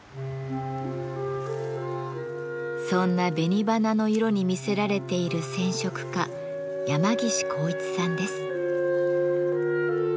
そんな紅花の色に魅せられている染織家山岸幸一さんです。